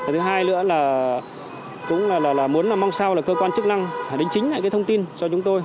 thứ hai nữa là cũng là muốn mong sao là cơ quan chức năng đánh chính lại cái thông tin cho chúng tôi